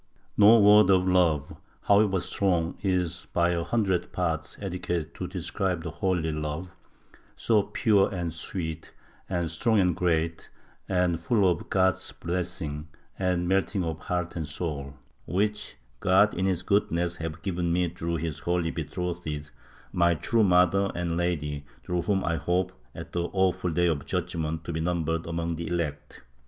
— "No word of love, however strong, is by a hundredth part adequate to describe the holy love, so pui'e and sweet and strong and great and full of God's blessing and melting of heart and soul, which God in his goodness has given me through His holy betrothed, my true Mother and Lady, through whom I hope, at the awful Day of Judgement, to be numbered among the elect.